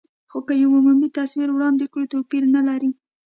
خو که یو عمومي تصویر وړاندې کړو، توپیر نه لري.